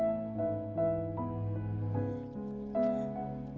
eh lupa aku mau ke rumah